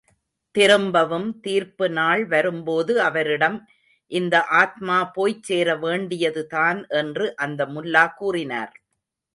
திரும்பவும் தீர்ப்பு நாள் வரும்போது அவரிடம் இந்த ஆத்மா போய்ச்சேர வேண்டியதுதான் என்று அந்த முல்லா கூறினார்.